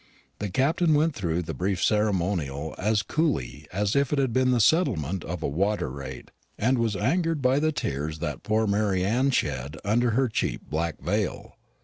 The Captain went through the brief ceremonial as coolly as if it had been the settlement of a water rate, and was angered by the tears that poor Mary Anne shed under her cheap black veil.